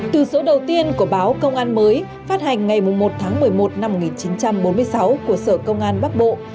từ số đầu tiên của báo công an mới phát hành ngày một tháng một mươi một năm một nghìn chín trăm bốn mươi sáu của sở công an bắc bộ